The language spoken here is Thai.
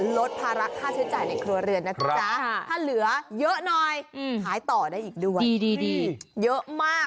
ลดภาระค่าใช้จ่ายในครัวเรือนนะจ๊ะถ้าเหลือเยอะหน่อยขายต่อได้อีกด้วยดีเยอะมาก